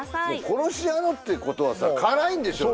「殺し屋の」ってことはさ辛いんでしょ？